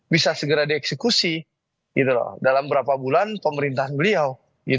bisa segera dieksekusi dalam berapa bulan pemerintahan beliau